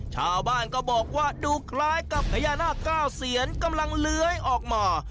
ชาวบ้านก็บอกว่าดูคล้ายกับพญานาคเก้าเซียนกำลังเลื้อยออกมา